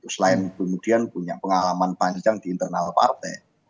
selain kemudian punya pengalaman panjang di internal partai